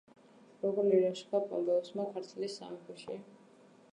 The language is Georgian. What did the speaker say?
როგორ ილაშქრა პომპეუსმა ქართლის სამეფოში?